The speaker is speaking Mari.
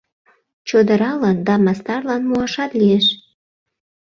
— Чодыралан да мастарлан муашат лиеш.